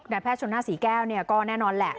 แพทย์ชนหน้าศรีแก้วก็แน่นอนแหละ